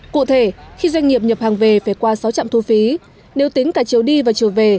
cụ thể khi doanh nghiệp nhập hàng về phải qua sáu trạm thu phí nếu tính cả chiều đi và chiều về